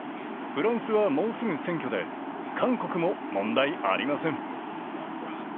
フランスはもうすぐ選挙で韓国も問題ありません。